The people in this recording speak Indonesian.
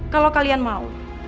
kalau kalian mau